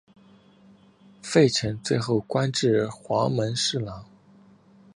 费承最后官至黄门侍郎。